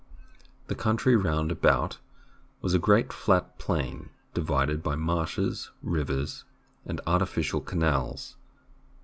The country round about was a great flat plain, divided by marshes, rivers, and artificial canals.